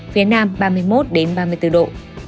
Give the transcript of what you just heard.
phía nam ba mươi một ba mươi bốn độ